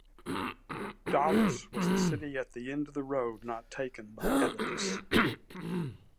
Daulis was the city at the end of the road not taken by Oedipus.